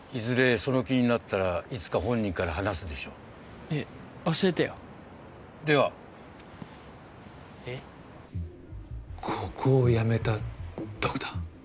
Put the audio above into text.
その気になったらいつか本人から話すでしょうえっ教えてよではえっここを辞めたドクター？